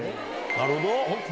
なるほど。